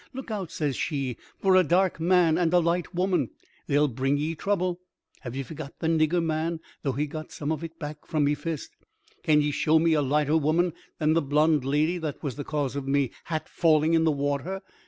'Look out,' says she, 'for a dark man and a light woman; they'll bring ye trouble.' Have ye forgot the nigger man, though he got some of it back from me fist? Can ye show me a lighter woman than the blonde lady that was the cause of me hat falling in the water?